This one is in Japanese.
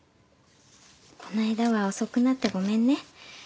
この間は遅くなってごめんね。